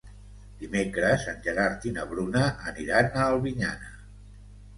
Dimecres en Gerard i na Bruna aniran a Albinyana.